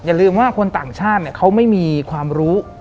อย่าลืมว่าคนต่างชาติเขาไม่มีความรู้